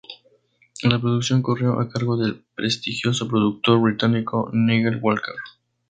La producción corrió a cargo del prestigioso productor británico Nigel Walker.